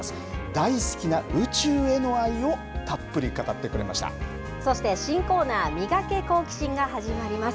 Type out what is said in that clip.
大好きな宇宙への愛をたっぷり語そして新コーナー、ミガケ好奇心が始まります。